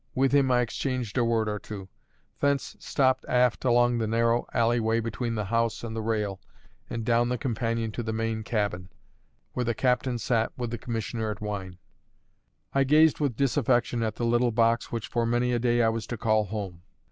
With him I exchanged a word or two; thence stepped aft along the narrow alleyway between the house and the rail, and down the companion to the main cabin, where the captain sat with the commissioner at wine. I gazed with disaffection at the little box which for many a day I was to call home.